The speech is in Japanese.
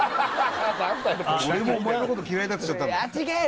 俺もお前のこと嫌いだって言っちゃったんだ